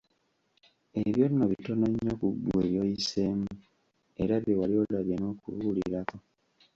Ebyo nno bitono nnyo ku ggwe by'oyiseemu era bye wali olabye n'okuwulirako.